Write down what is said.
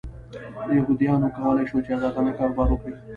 یهودیانو کولای شول چې ازادانه کاروبار وکړي.